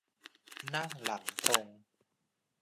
นั่งหลังตรง